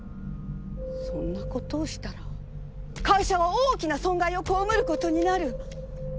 そんなことをしたら会社は大きな損害を被ることになる！